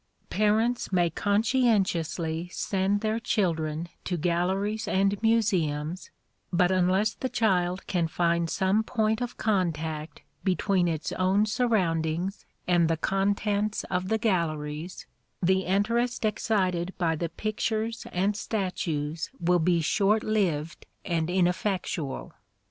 Parents may conscientiously send their children to galleries and museums, but unless the child can find some point of contact between its own surroundings and the contents of the galleries, the interest excited by the pictures and statues will be short lived and ineffectual.